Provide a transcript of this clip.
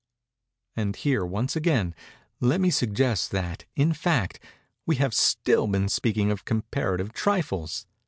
And here, once again, let me suggest that, in fact, we have still been speaking of comparative trifles.